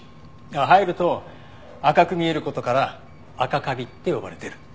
生えると赤く見える事からアカカビって呼ばれてる。